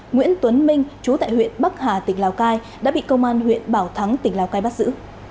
nguyễn tuấn minh chú tại huyện bắc hà tỉnh lào cai đã bị công an huyện bảo thắng tỉnh lào cai bắt giữ